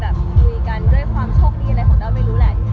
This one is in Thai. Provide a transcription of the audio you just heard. เราก็ได้มีการคุยกันด้วยความโชคดีอะไรของเราไม่รู้แหละ